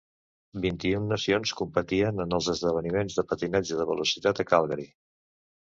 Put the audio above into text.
Vint-i-un Nacions competien en els esdeveniments de Patinatge de velocitat a Calgary.